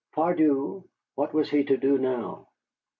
Pardieu, what was he to do now?